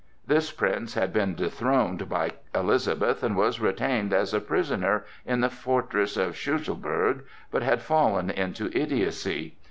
This Prince had been dethroned by Elizabeth and was retained as a prisoner in the fortress of Schlüsselburg, but had fallen into idiocy.